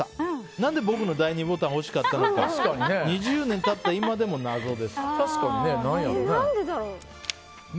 なんで僕の第２ボタンを欲しかったのか２０年経った今でも謎です。